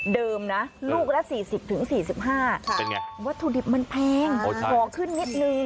เดิมนะลูกละ๔๐๔๕วัตถุดิบมันแพงพอขึ้นนิดนึง